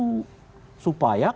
supaya kasus demi kasus diperbaiki